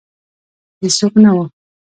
هیڅوک نه وه